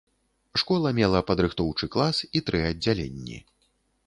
Школа мела падрыхтоўчы клас і тры аддзяленні.